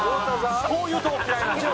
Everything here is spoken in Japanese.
こういうところ嫌いなんですよ。